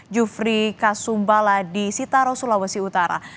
jufri kasumbala di sitaro sulawesi utara